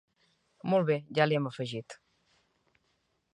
Molt bé, ja li hem afegit.